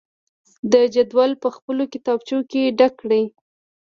د جدول په خپلو کتابچو کې ډک کړئ.